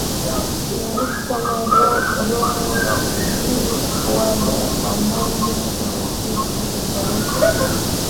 maarufu kama Roe v Wade pamoja na kesi tofauti